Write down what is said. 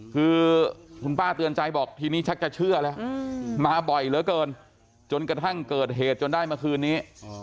คือคุณป้าเตือนใจบอกทีนี้ชักจะเชื่อแล้วมาบ่อยเหลือเกินจนกระทั่งเกิดเหตุจนได้เมื่อคืนนี้